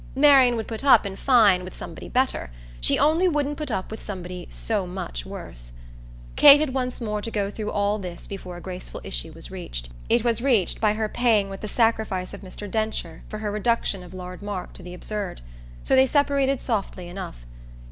Marian would put up, in fine, with somebody better; she only wouldn't put up with somebody so much worse. Kate had once more to go through all this before a graceful issue was reached. It was reached by her paying with the sacrifice of Mr. Densher for her reduction of Lord Mark to the absurd. So they separated softly enough.